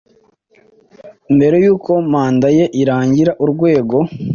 mbere y uko manda ye irangira urwego